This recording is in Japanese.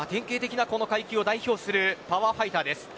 この階級を代表するパワーファイターです。